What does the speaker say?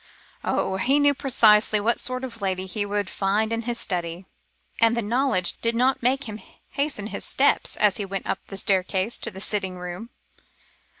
Oh! he knew precisely what sort of a lady he would find in his study, and the knowledge did not make him hasten his steps, as he went up the staircase to the sitting room.